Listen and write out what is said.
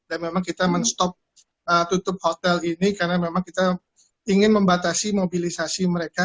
dan memang kita men stop tutup hotel ini karena memang kita ingin membatasi mobilisasi mereka